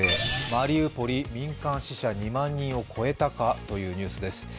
マリウポリ、民間死者２万人を超えたかというニュースです。